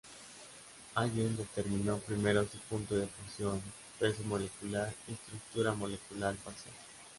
Allen determinó primero su punto de fusión, peso molecular, y estructura molecular parcial.